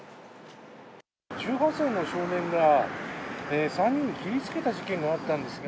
１８歳の少年が、３人を切りつけた事件があったんですが。